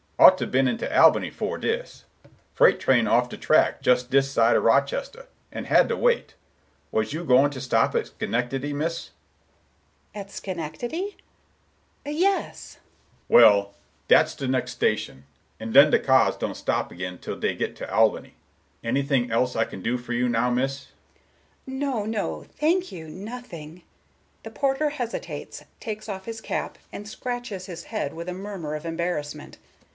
Ought to been into Albany 'fore dis. Freight train off de track jus' dis side o' Rochester, an' had to wait. Was you going to stop at Schenectady, miss?" Miss Galbraith, absently: "At Schenectady?" After a pause, "Yes." Porter: "Well, that's de next station, and den de cahs don't stop ag'in till dey git to Albany. Anything else I can do for you now, miss?" Miss Galbraith: "No, no, thank you, nothing." The Porter hesitates, takes off his cap, and scratches his head with a murmur of embarrassment.